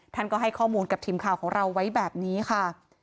ท่านก็ให้ข้อมูลกับทีมข่าวของเราไว้แบบนี้ค่ะ